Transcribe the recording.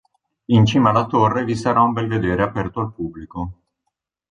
In cima alla torre vi sarà un belvedere aperto al pubblico.